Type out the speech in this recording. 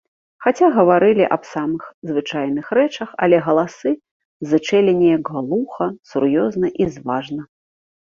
Хаця гаварылі аб самых звычайных рэчах, але галасы зычэлі неяк глуха, сур'ёзна і зважна.